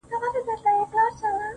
• د دې نړۍ انسان نه دی په مخه یې ښه.